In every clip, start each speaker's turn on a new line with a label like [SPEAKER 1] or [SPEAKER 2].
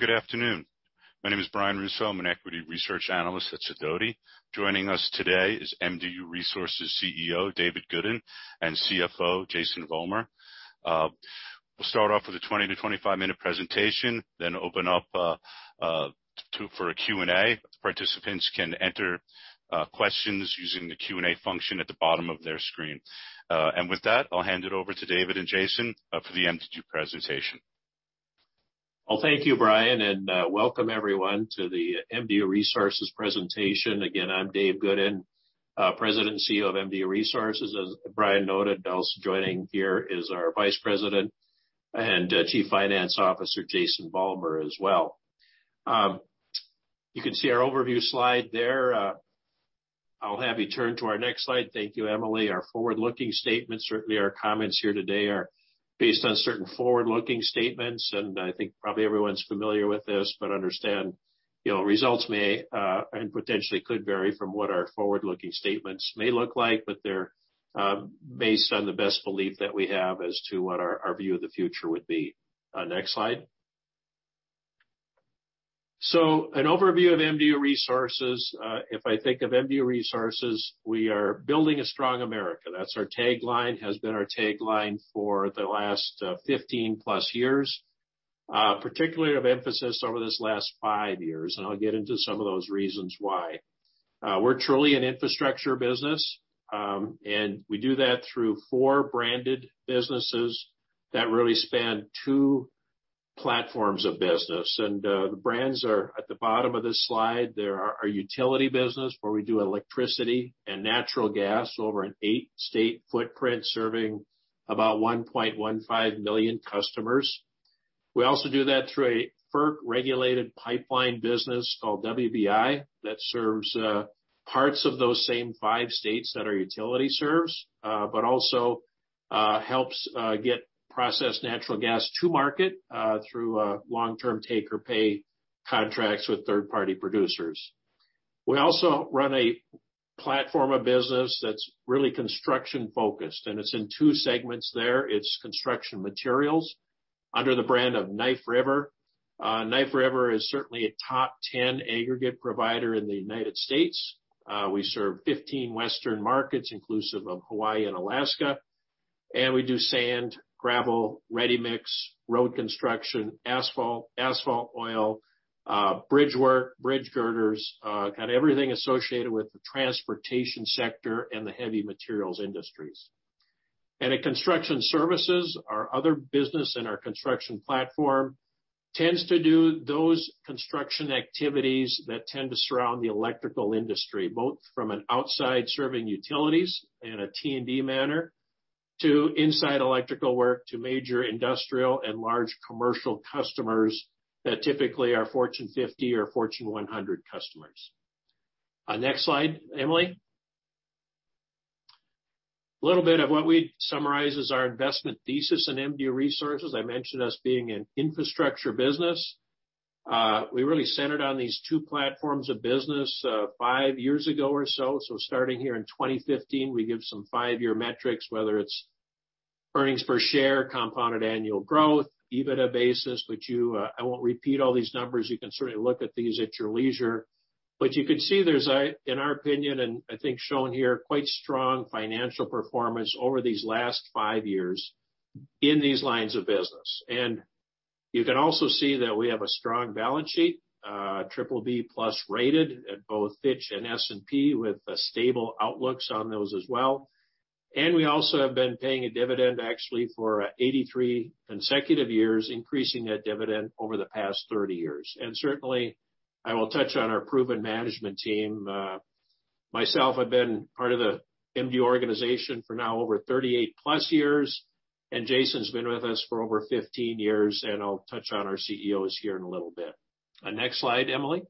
[SPEAKER 1] Good afternoon. My name is Brian Russo. I'm an equity research analyst at Sidoti. Joining us today is MDU Resources CEO, David Goodin, and CFO, Jason Vollmer. We'll start off with a 20 to 25-minute presentation, then open up for a Q&A. Participants can enter questions using the Q&A function at the bottom of their screen. With that, I'll hand it over to David and Jason for the MDU presentation.
[SPEAKER 2] Thank you, Brian, and welcome everyone to the MDU Resources presentation. Again, I'm Dave Goodin, President and CEO of MDU Resources. As Brian noted, also joining here is our Vice President and Chief Financial Officer, Jason Vollmer, as well. You can see our overview slide there. I'll have you turn to our next slide. Thank you, Emily. Our forward-looking statement. Certainly, our comments here today are based on certain forward-looking statements, and I think probably everyone's familiar with this, but understand results may and potentially could vary from what our forward-looking statements may look like. They're based on the best belief that we have as to what our view of the future would be. Next slide. An overview of MDU Resources. If I think of MDU Resources, we are building a strong America. That's our tagline, has been our tagline for the last 15+ years, particularly of emphasis over this last five years, and I'll get into some of those reasons why. We're truly an infrastructure business, and we do that through four branded businesses that really span two platforms of business. The brands are at the bottom of this slide. They're our utility business, where we do electricity and natural gas over an eight-state footprint, serving about 1.15 million customers. We also do that through a FERC-regulated pipeline business called WBI that serves parts of those same five states that our utility serves but also helps get processed natural gas to market through long-term take-or-pay contracts with third-party producers. We also run a platform of business that's really construction-focused, and it's in two segments there. It's construction materials under the brand of Knife River. Knife River is certainly a top 10 aggregate provider in the U.S. We serve 15 Western markets, inclusive of Hawaii and Alaska. We do sand, gravel, ready-mix, road construction, asphalt oil, bridge work, bridge girders, kind of everything associated with the transportation sector and the heavy materials industries. In construction services, our other business in our construction platform tends to do those construction activities that tend to surround the electrical industry, both from an outside serving utilities in a T&D manner to inside electrical work to major industrial and large commercial customers that typically are Fortune 50 or Fortune 100 customers. Next slide, Emily. A little bit of what we summarize as our investment thesis in MDU Resources. I mentioned us being an infrastructure business. We really centered on these two platforms of business five years ago or so. Starting here in 2015, we give some five-year metrics, whether it's earnings per share, compounded annual growth, EBITDA basis. I won't repeat all these numbers. You can certainly look at these at your leisure. You could see there's a, in our opinion and I think shown here, quite strong financial performance over these last five years in these lines of business. You can also see that we have a strong balance sheet, BBB+ rated at both Fitch and S&P, with stable outlooks on those as well. We also have been paying a dividend actually for 83 consecutive years, increasing that dividend over the past 30 years. Certainly, I will touch on our proven management team. Myself, I've been part of the MDU organization for now over 38+ years, and Jason's been with us for over 15 years. I'll touch on our CEOs here in a little bit. Next slide, Emily.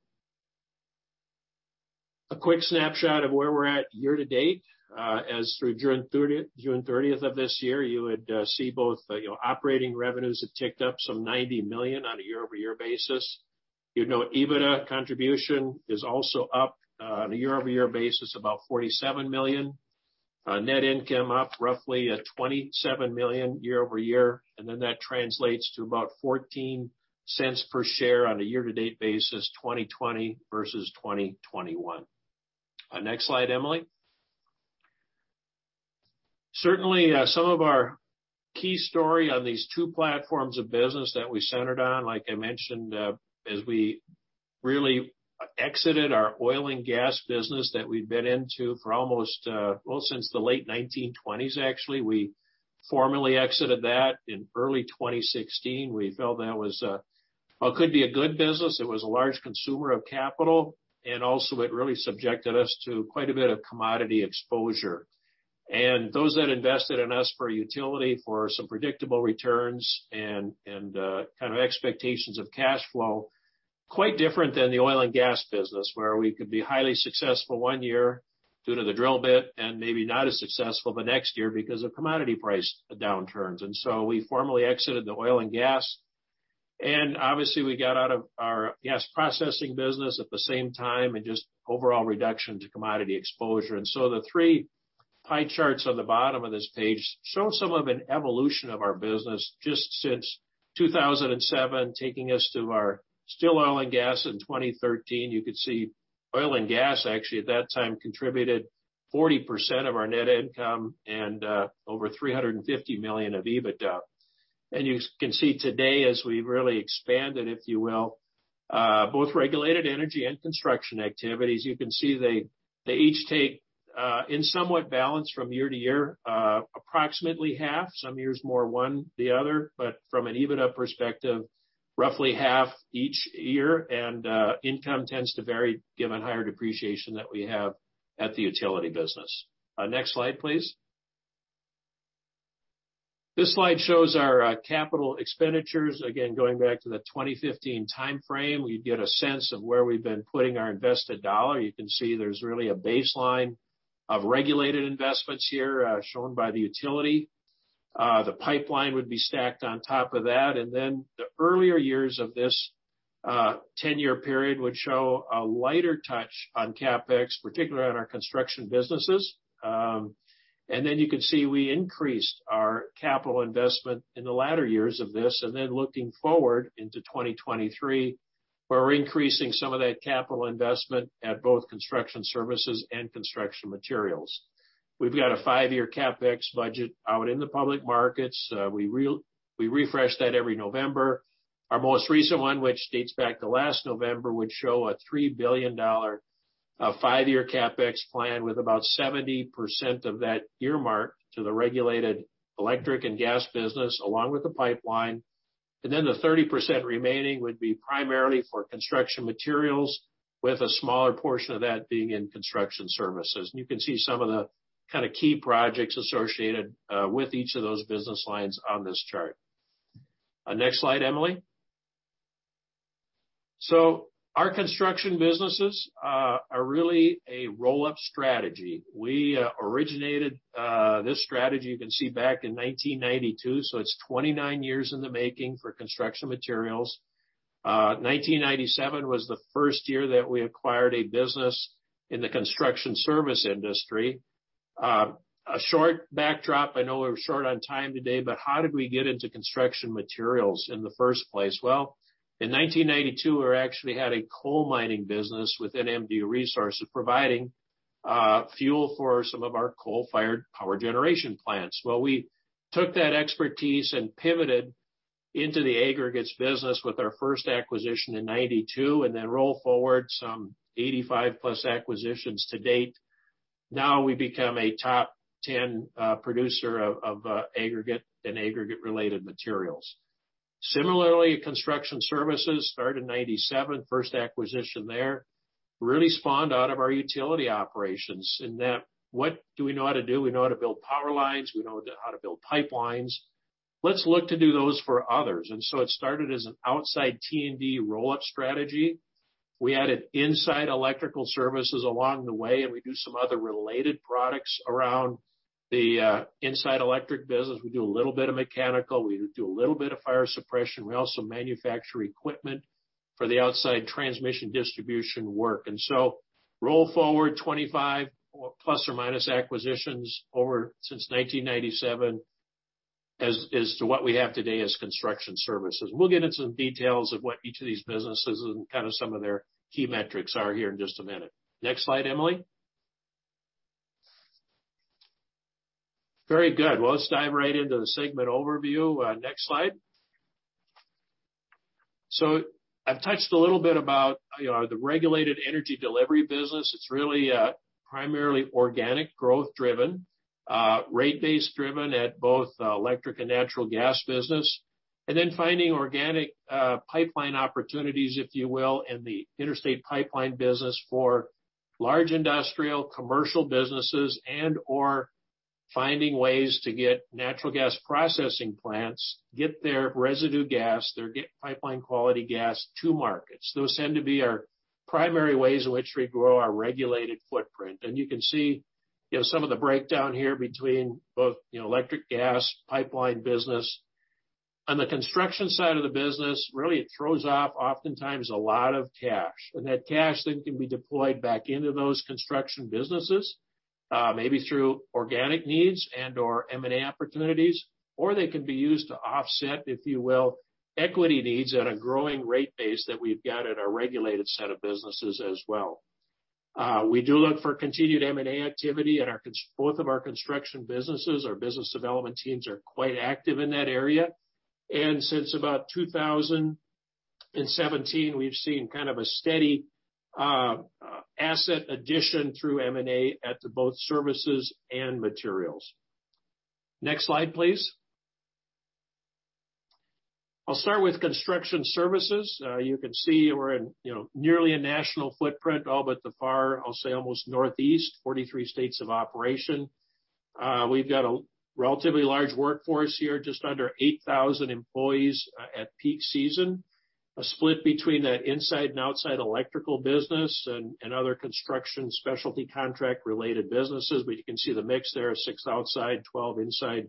[SPEAKER 2] A quick snapshot of where we're at year-to-date. As through June 30th of this year, you would see both operating revenues have ticked up some $90 million on a year-over-year basis. You'd know EBITDA contribution is also up on a year-over-year basis, about $47 million. Net income up roughly at $27 million year-over-year. That translates to about $0.14 per share on a year-to-date basis, 2020 versus 2021. Next slide, Emily. Certainly, some of our key story on these two platforms of business that we centered on, like I mentioned, as we really exited our oil and gas business that we'd been into for almost, well, since the late 1920s, actually. We formally exited that in early 2016. We felt that was what could be a good business. It was a large consumer of capital, and also it really subjected us to quite a bit of commodity exposure. Those that invested in us for utility for some predictable returns and kind of expectations of cash flow, quite different than the oil and gas business, where we could be highly successful one year due to the drill bit and maybe not as successful the next year because of commodity price downturns. We formally exited the oil and gas, and obviously, we got out of our gas processing business at the same time and just overall reduction to commodity exposure. The three pie charts on the bottom of this page show some of an evolution of our business just since 2007, taking us to our still oil and gas in 2013. You could see oil and gas actually, at that time, contributed 40% of our net income and over $350 million of EBITDA. You can see today, as we've really expanded, if you will, both regulated energy and construction activities, you can see they each take, in somewhat balance from year to year, approximately half, some years more one the other, but from an EBITDA perspective, roughly half each year. Income tends to vary given higher depreciation that we have at the utility business. Next slide, please. This slide shows our CapEx. Again, going back to the 2015 timeframe, we get a sense of where we've been putting our invested dollar. You can see there's really a baseline of regulated investments here, shown by the utility. The pipeline would be stacked on top of that. The earlier years of this 10-year period would show a lighter touch on CapEx, particularly on our construction businesses. You can see we increased our capital investment in the latter years of this. Looking forward into 2023, we're increasing some of that capital investment at both construction services and construction materials. We've got a five-year CapEx budget out in the public markets. We refresh that every November. Our most recent one, which dates back to last November, would show a $3 billion five-year CapEx plan, with about 70% of that earmarked to the regulated electric and gas business, along with the pipeline. The 30% remaining would be primarily for construction materials, with a smaller portion of that being in construction services. You can see some of the kind of key projects associated with each of those business lines on this chart. Next slide, Emily. Our construction businesses are really a roll-up strategy. We originated this strategy, you can see, back in 1992, so it's 29 years in the making for construction materials. 1997 was the first year that we acquired a business in the construction service industry. A short backdrop, I know we're short on time today, but how did we get into construction materials in the first place? Well, in 1992, we actually had a coal mining business within MDU Resources, providing fuel for some of our coal-fired power generation plants. Well, we took that expertise and pivoted into the aggregates business with our first acquisition in 1992, and then roll forward some 85+ acquisitions to date. Now we've become a top 10 producer of aggregate and aggregate-related materials. Similarly, construction services started in 1997. First acquisition there really spawned out of our utility operations, in that what do we know how to do? We know how to build power lines, we know how to build pipelines. Let's look to do those for others. It started as an outside T&D roll-up strategy. We added inside electrical services along the way, and we do some other related products around the inside electric business. We do a little bit of mechanical, we do a little bit of fire suppression. We also manufacture equipment for the outside transmission distribution work. So roll forward 25±, acquisitions over since 1997 as to what we have today as construction services. We'll get into some details of what each of these businesses and kind of some of their key metrics are here in just a minute. Next slide, Emily. Very good. Well, let's dive right into the segment overview. Next slide. I've touched a little bit about the regulated energy delivery business. It's really primarily organic growth driven, rate base driven at both electric and natural gas business. Finding organic pipeline opportunities, if you will, in the interstate pipeline business for large industrial commercial businesses and/or finding ways to get natural gas processing plants, get their residue gas, get pipeline quality gas to markets. Those tend to be our primary ways in which we grow our regulated footprint. You can see some of the breakdown here between both electric gas pipeline business. On the construction side of the business, really, it throws off oftentimes a lot of cash. That cash then can be deployed back into those construction businesses, maybe through organic needs and/or M&A opportunities, or they can be used to offset, if you will, equity needs at a growing rate base that we've got at our regulated set of businesses as well. We do look for continued M&A activity at both of our construction businesses. Our business development teams are quite active in that area. Since about 2017, we've seen kind of a steady asset addition through M&A at both services and materials. Next slide, please. I'll start with construction services. You can see we're in nearly a national footprint, all but the far, I'll say, almost Northeast, 43 states of operation. We've got a relatively large workforce here, just under 8,000 employees at peak season, a split between that inside and outside electrical business and other construction specialty contract-related businesses. You can see the mix there, six outside, 12 inside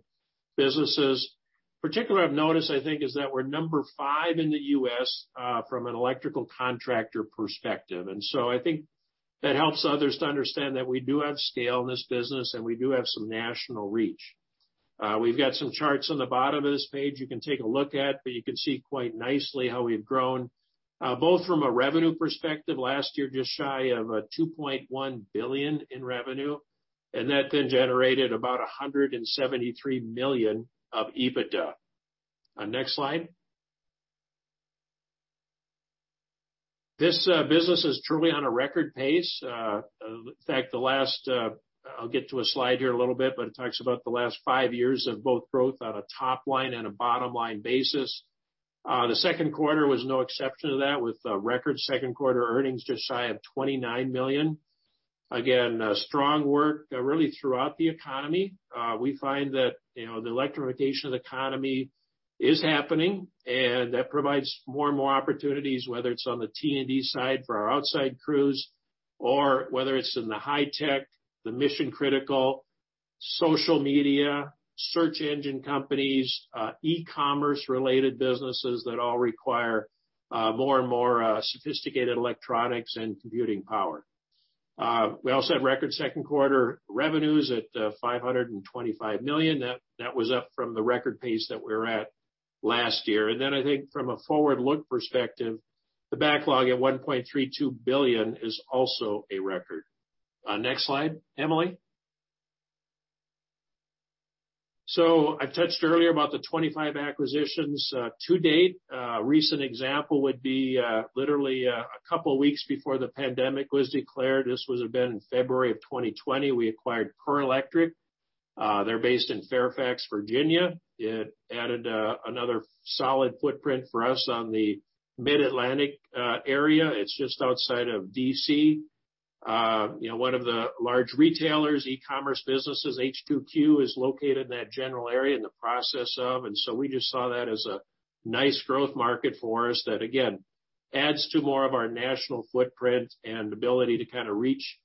[SPEAKER 2] businesses. Particular I've noticed, I think, is that we're number five in the U.S. from an electrical contractor perspective. I think that helps others to understand that we do have scale in this business, and we do have some national reach. We've got some charts on the bottom of this page you can take a look at, but you can see quite nicely how we've grown, both from a revenue perspective. Last year, just shy of $2.1 billion in revenue, and that then generated about $173 million of EBITDA. Next slide. This business is truly on a record pace. In fact, the last I'll get to a slide here in a little bit, but it talks about the last five years of both growth on a top-line and a bottom-line basis. The second quarter was no exception to that, with record second quarter earnings just shy of $29 million. Strong work really throughout the economy. We find that the electrification of the economy is happening, and that provides more and more opportunities, whether it's on the T&D side for our outside crews, or whether it's in the high tech, the mission-critical, social media, search engine companies, e-commerce related businesses that all require more and more sophisticated electronics and computing power. We also had record second quarter revenues at $525 million. That was up from the record pace that we were at last year. I think from a forward-look perspective, the backlog at $1.32 billion is also a record. Next slide, Emily. I touched earlier about the 25 acquisitions to date. A recent example would be literally a couple of weeks before the pandemic was declared, this would have been in February of 2020, we acquired PerLectric. They're based in Fairfax, Virginia. It added another solid footprint for us on the Mid-Atlantic area. It's just outside of D.C. One of the large retailers, e-commerce businesses, HQ2, is located in that general area. We just saw that as a nice growth market for us that again adds to more of our national footprint and ability to kind of reach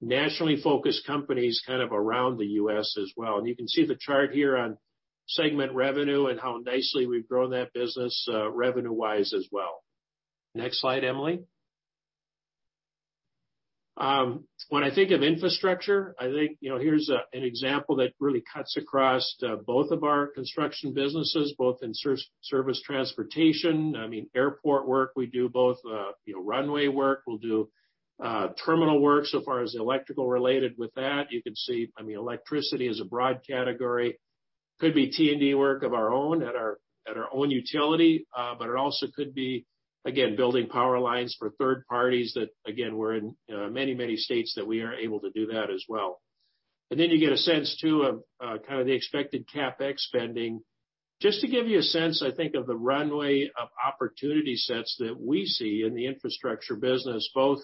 [SPEAKER 2] nationally focused companies kind of around the U.S. as well. You can see the chart here on segment revenue and how nicely we've grown that business revenue-wise as well. Next slide, Emily. When I think of infrastructure, I think here's an example that really cuts across both of our construction businesses, both in service transportation. I mean, airport work, we do both runway work, we'll do terminal work. So far as electrical related with that, you can see, electricity is a broad category. Could be T&D work of our own at our own utility, but it also could be, again, building power lines for third parties that, again, we're in many, many states that we are able to do that as well. Then you get a sense, too, of kind of the expected CapEx spending. Just to give you a sense, I think, of the runway of opportunity sets that we see in the infrastructure business, both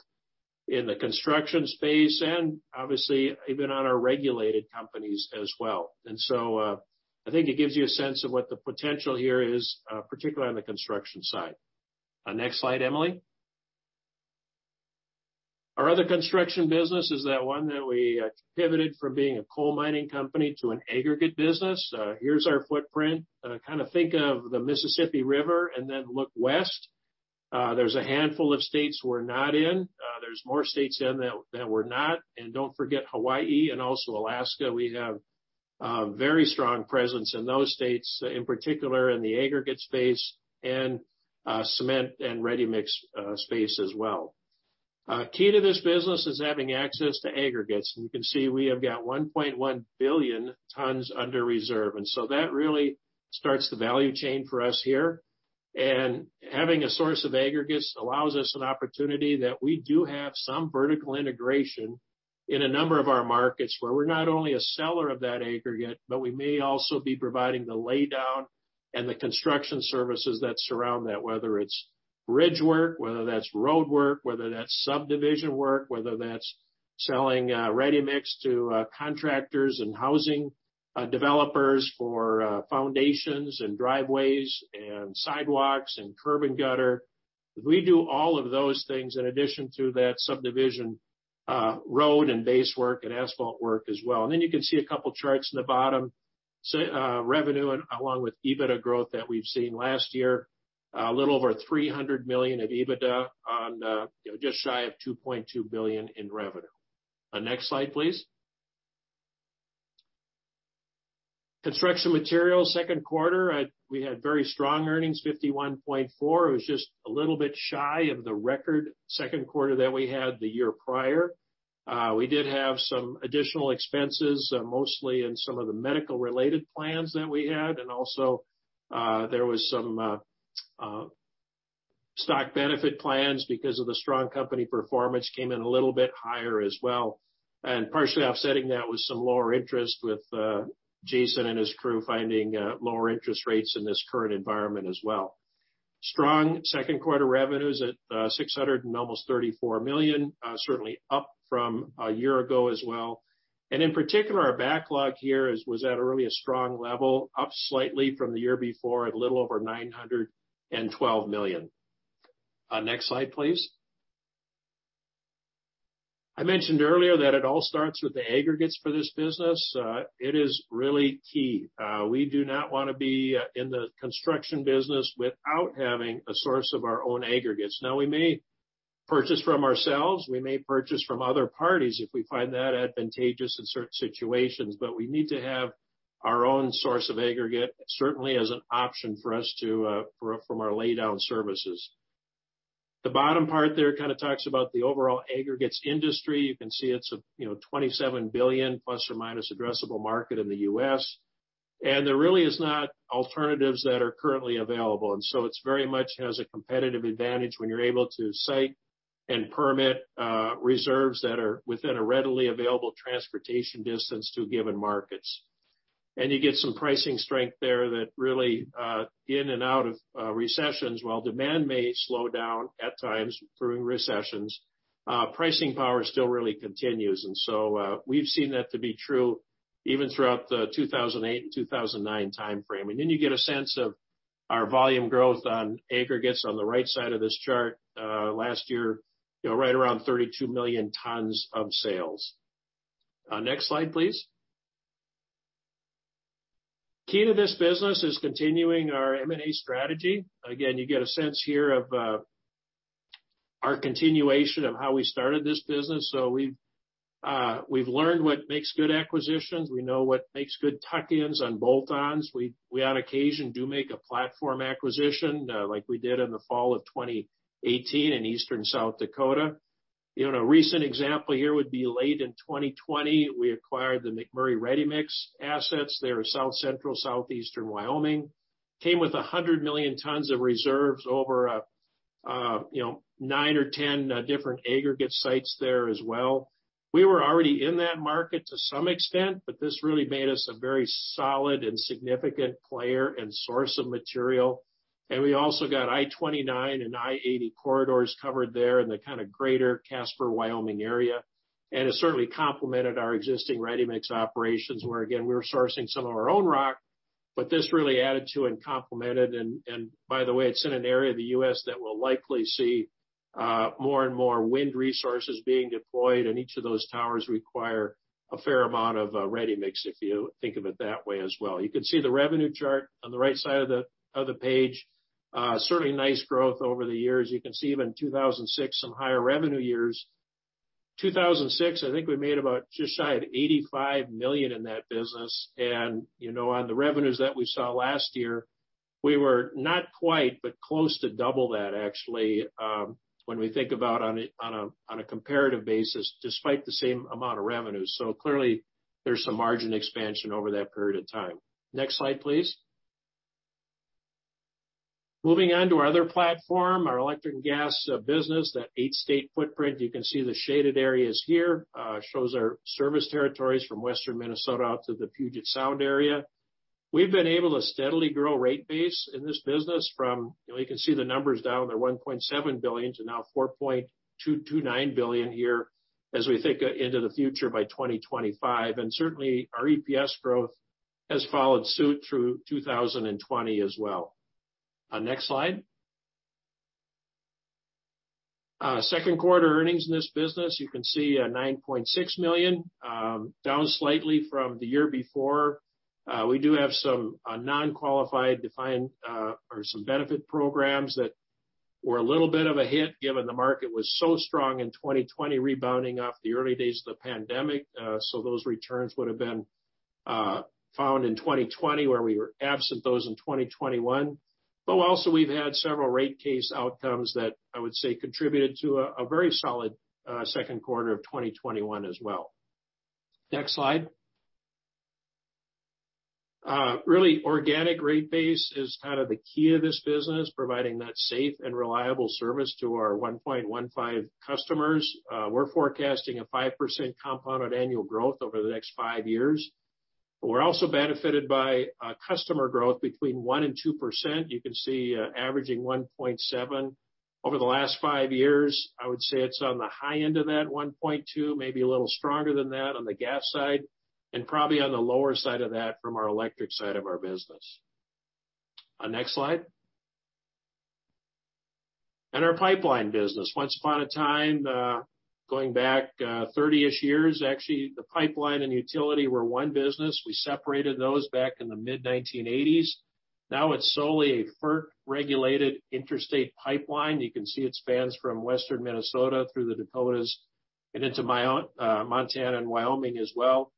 [SPEAKER 2] in the construction space and obviously even on our regulated companies as well. So I think it gives you a sense of what the potential here is, particularly on the construction side. Next slide, Emily. Our other construction business is that one that we pivoted from being a coal mining company to an aggregate business. Here's our footprint. Kind of think of the Mississippi River and then look west. There's a handful of states we're not in. There's more states in that we're not. Don't forget Hawaii and also Alaska. We have a very strong presence in those states, in particular in the aggregate space and cement and ready-mix space as well. Key to this business is having access to aggregates, and you can see we have got 1.1 billion tons under reserve. That really starts the value chain for us here. Having a source of aggregates allows us an opportunity that we do have some vertical integration in a number of our markets where we're not only a seller of that aggregate, but we may also be providing the laydown and the construction services that surround that, whether it's bridge work, whether that's road work, whether that's subdivision work, whether that's selling ready-mix to contractors and housing developers for foundations and driveways and sidewalks and curb and gutter. We do all of those things in addition to that subdivision road and base work and asphalt work as well. You can see a couple of charts in the bottom, revenue along with EBITDA growth that we've seen last year. A little over $300 million of EBITDA on just shy of $2.2 billion in revenue. Next slide, please. Construction materials second quarter, we had very strong earnings, $51.4 million. It was just a little bit shy of the record second quarter that we had the year prior. We did have some additional expenses, mostly in some of the medical-related plans that we had. Also there was some stock benefit plans because of the strong company performance came in a little bit higher as well. Partially offsetting that was some lower interest with Jason and his crew finding lower interest rates in this current environment as well. Strong second quarter revenues at almost $634 million, certainly up from a year ago as well. In particular, our backlog here was at a really strong level, up slightly from the year before at a little over $912 million. Next slide, please. I mentioned earlier that it all starts with the aggregates for this business. It is really key. We do not want to be in the construction business without having a source of our own aggregates. Now, we may purchase from ourselves, we may purchase from other parties if we find that advantageous in certain situations, but we need to have our own source of aggregate, certainly as an option for us from our laydown services. The bottom part there kind of talks about the overall aggregates industry. You can see it's a $27 billion ± addressable market in the U.S. There really is not alternatives that are currently available. It very much has a competitive advantage when you're able to site and permit reserves that are within a readily available transportation distance to given markets. You get some pricing strength there that really, in and out of recessions, while demand may slow down at times during recessions, pricing power still really continues. We've seen that to be true even throughout the 2008 and 2009 timeframe. You get a sense of our volume growth on aggregates on the right side of this chart. Last year, right around 32 million tons of sales. Next slide, please. Key to this business is continuing our M&A strategy. Again, you get a sense here of our continuation of how we started this business. We've learned what makes good acquisitions. We know what makes good tuck-ins on bolt-ons. We, on occasion, do make a platform acquisition, like we did in the fall of 2018 in eastern South Dakota. A recent example here would be late in 2020, we acquired the McMurry Ready-Mix assets. They are south central, southeastern Wyoming. Came with 100 million tons of reserves over nine or 10 different aggregate sites there as well. This really made us a very solid and significant player and source of material. We also got I-29 and I-80 corridors covered there in the kind of greater Casper, Wyoming area, and it certainly complemented our existing ready-mix operations where, again, we were sourcing some of our own rock, this really added to and complemented. By the way, it's in an area of the U.S. that will likely see more and more wind resources being deployed, and each of those towers require a fair amount of ready-mix, if you think of it that way as well. You can see the revenue chart on the right side of the page. Certainly nice growth over the years. You can see even in 2006, some higher revenue years. 2006, I think we made about just shy of $85 million in that business. On the revenues that we saw last year, we were not quite, but close to double that actually, when we think about on a comparative basis, despite the same amount of revenues. Clearly there's some margin expansion over that period of time. Next slide, please. Moving on to our other platform, our electric and gas business, that eight-state footprint. You can see the shaded areas here shows our service territories from western Minnesota out to the Puget Sound area. We've been able to steadily grow rate base in this business from You can see the numbers down there, $1.7 billion to now $4.229 billion here as we think into the future by 2025. Certainly, our EPS growth has followed suit through 2020 as well. Next slide. Second quarter earnings in this business, you can see $9.6 million, down slightly from the year before. We do have some non-qualified defined benefit programs that were a little bit of a hit given the market was so strong in 2020 rebounding off the early days of the pandemic. Those returns would have been found in 2020 where we were absent those in 2021. Also, we've had several rate case outcomes that I would say contributed to a very solid second quarter of 2021 as well. Next slide. Really organic rate base is kind of the key to this business, providing that safe and reliable service to our 1.15 million customers. We're forecasting a 5% compounded annual growth over the next five years. We're also benefited by customer growth between 1% and 2%. You can see averaging 1.7% over the last 5 years. I would say it's on the high end of that, 1.2%, maybe a little stronger than that on the gas side, and probably on the lower side of that from our electric side of our business. Next slide. Our pipeline business. Once upon a time, going back 30-ish years, actually, the pipeline and utility were one business. We separated those back in the mid-1980s. Now it's solely a FERC-regulated interstate pipeline. You can see it spans from western Minnesota through the Dakotas and into Montana and Wyoming as well.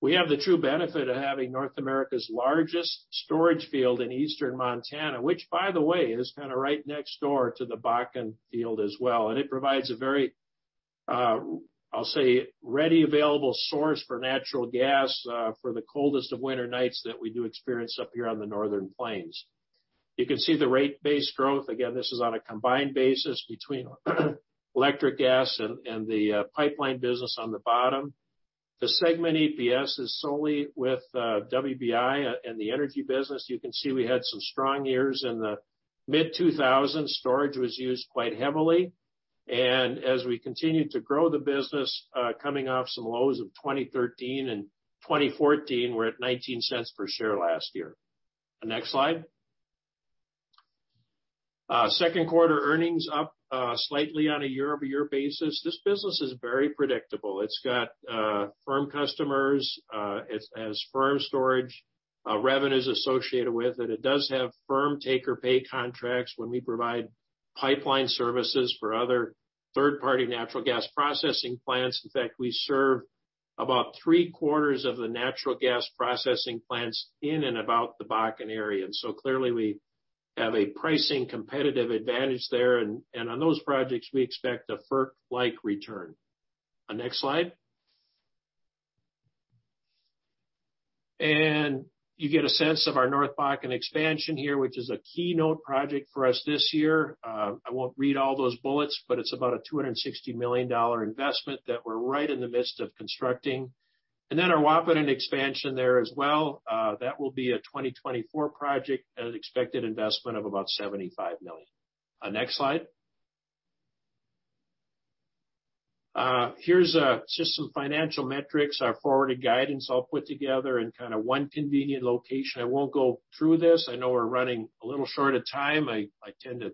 [SPEAKER 2] We have the true benefit of having North America's largest storage field in eastern Montana, which by the way, is kind of right next door to the Bakken field as well. It provides a very, I'll say, ready, available source for natural gas for the coldest of winter nights that we do experience up here on the northern plains. You can see the rate base growth. Again, this is on a combined basis between electric, gas, and the pipeline business on the bottom. The segment EPS is solely with WBI and the energy business. You can see we had some strong years in the mid-2000s. Storage was used quite heavily. As we continued to grow the business, coming off some lows of 2013 and 2014, we're at $0.19 per share last year. Next slide. Second quarter earnings up slightly on a year-over-year basis. This business is very predictable. It's got firm customers. It has firm storage revenues associated with it. It does have firm take-or-pay contracts when we provide pipeline services for other third-party natural gas processing plants. In fact, we serve about three-quarters of the natural gas processing plants in and about the Bakken area. Clearly, we have a pricing competitive advantage there. On those projects, we expect a FERC-like return. Next slide. You get a sense of our North Bakken Expansion here, which is a keynote project for us this year. I won't read all those bullets, but it's about a $260 million investment that we're right in the midst of constructing. Our Wahpeton expansion there as well, that will be a 2024 project and an expected investment of about $75 million. Next slide. Here's just some financial metrics, our forward guidance all put together in one convenient location. I won't go through this. I know we're running a little short on time. I tend to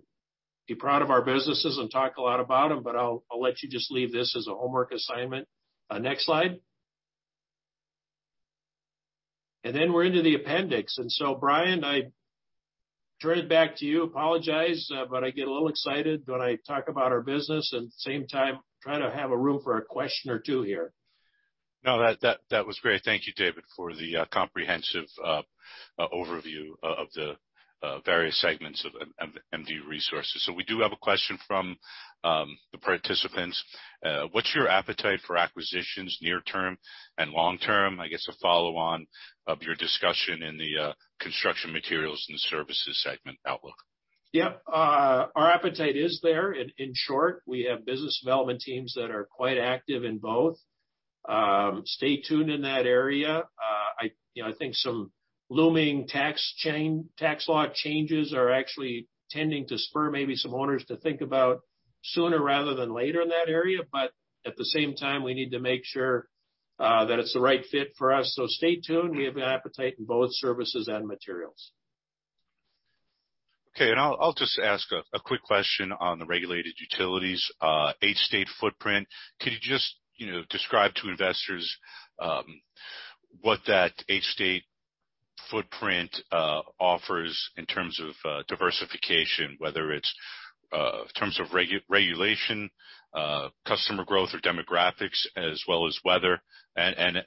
[SPEAKER 2] be proud of our businesses and talk a lot about them, but I'll let you just leave this as a homework assignment. Next slide. We're into the appendix. Brian, I turn it back to you. Apologize, but I get a little excited when I talk about our business, and at the same time, try to have room for a question or two here.
[SPEAKER 1] That was great. Thank you, David, for the comprehensive overview of the various segments of MDU Resources. We do have a question from the participants. What's your appetite for acquisitions near-term and long-term? I guess a follow-on of your discussion in the construction materials and services segment outlook.
[SPEAKER 2] Yep. Our appetite is there. In short, we have business development teams that are quite active in both. Stay tuned in that area. I think some looming tax law changes are actually tending to spur maybe some owners to think about sooner rather than later in that area. At the same time, we need to make sure that it's the right fit for us. Stay tuned. We have an appetite in both services and materials.
[SPEAKER 1] Okay. I'll just ask a quick question on the regulated utilities, eight-state footprint. Could you just describe to investors what that eight-state footprint offers in terms of diversification, whether it's in terms of regulation, customer growth, or demographics, as well as weather and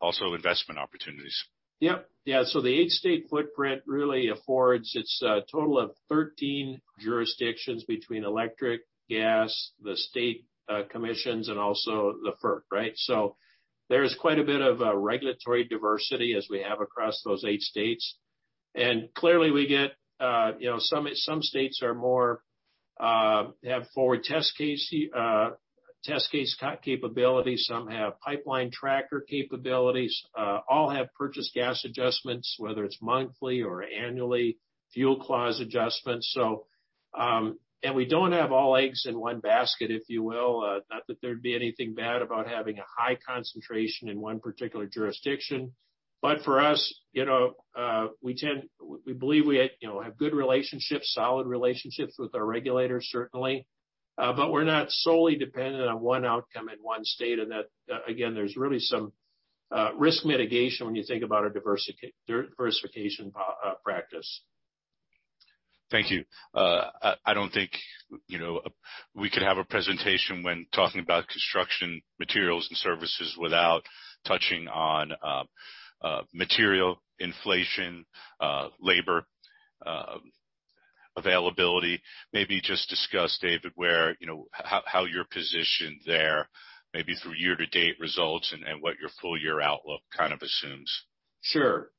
[SPEAKER 1] also investment opportunities?
[SPEAKER 2] Yep. Yeah. The eight-state footprint really affords its total of 13 jurisdictions between electric, gas, the state commissions, and also the FERC, right? There is quite a bit of regulatory diversity as we have across those eight states. Clearly, some states have forward test year capabilities, some have pipeline tracker capabilities. All have purchase gas adjustments, whether it's monthly or annually, fuel clause adjustments. We don't have all eggs in one basket, if you will. Not that there'd be anything bad about having a high concentration in one particular jurisdiction. For us, we believe we have good relationships, solid relationships with our regulators, certainly. We're not solely dependent on one outcome in one state, and that, again, there's really some risk mitigation when you think about our diversification practice.
[SPEAKER 1] Thank you. I don't think we could have a presentation when talking about construction materials and services without touching on material inflation, labor availability. Maybe just discuss, David, how you're positioned there, maybe through year-to-date results and what your full-year outlook kind of assumes.
[SPEAKER 2] Sure.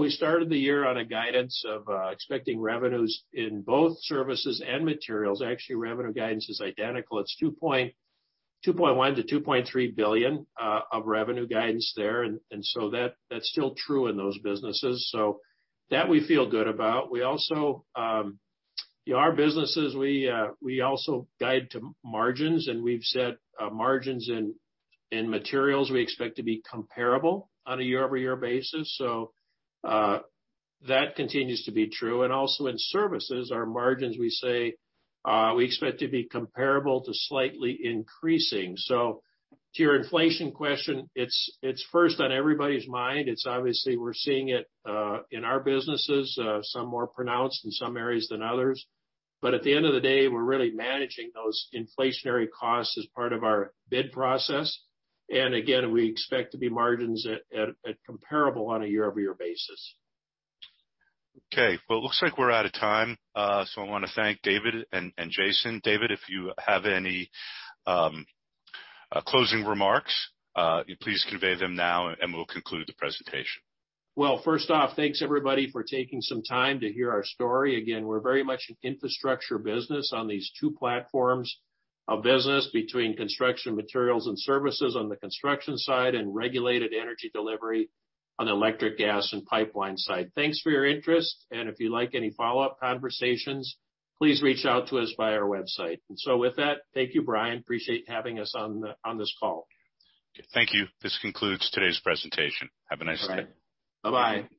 [SPEAKER 2] We started the year on a guidance of expecting revenues in both services and materials. Actually, revenue guidance is identical. It's $2.1 billion-$2.3 billion of revenue guidance there, that's still true in those businesses. That we feel good about. Our businesses, we also guide to margins, we've said margins in materials we expect to be comparable on a year-over-year basis. That continues to be true. Also in services, our margins, we say we expect to be comparable to slightly increasing. To your inflation question, it's first on everybody's mind. Obviously, we're seeing it in our businesses, some more pronounced in some areas than others. At the end of the day, we're really managing those inflationary costs as part of our bid process. Again, we expect to be margins at comparable on a year-over-year basis.
[SPEAKER 1] Okay. Well, it looks like we're out of time. I want to thank David and Jason. David, if you have any closing remarks, please convey them now, and we'll conclude the presentation.
[SPEAKER 2] Well, first off, thanks, everybody, for taking some time to hear our story. We're very much an infrastructure business on these two platforms of business between construction materials and services on the construction side and regulated energy delivery on the electric, gas, and pipeline side. Thanks for your interest. If you like any follow-up conversations, please reach out to us via our website. With that, thank you, Brian. Appreciate having us on this call.
[SPEAKER 1] Thank you. This concludes today's presentation. Have a nice day.
[SPEAKER 2] All right. Bye-bye.